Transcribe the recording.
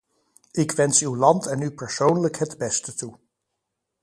Ik wens uw land en u persoonlijk het beste toe.